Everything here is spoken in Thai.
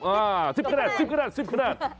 อ่า๑๐ขนาด๑๐ขนาด๑๐ขนาด